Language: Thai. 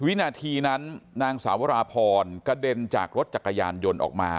วินาทีนั้นนางสาวราพรกระเด็นจากรถจักรยานยนต์ออกมา